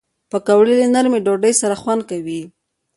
پکورې له نرمې ډوډۍ سره خوند کوي